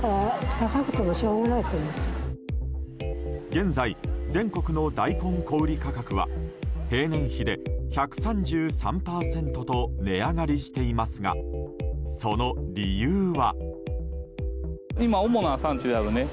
現在、全国の大根小売価格は平年比で１３３％と値上がりしていますがその理由は？